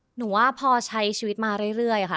หนูว่าพอใช้ชีวิตมาเรื่อยค่ะ